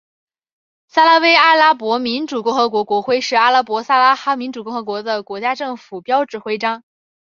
撒拉威阿拉伯民主共和国国徽是阿拉伯撒哈拉民主共和国的国家政府标志徽章。